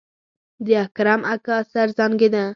د اکرم اکا سر زانګېده.